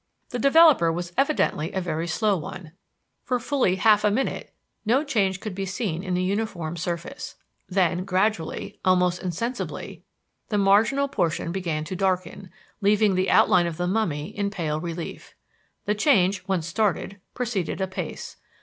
The developer was evidently a very slow one. For fully half a minute no change could be seen in the uniform surface. Then, gradually, almost insensibly, the marginal portion began to darken, leaving the outline of the mummy in pale relief. The change, once started, proceeded apace.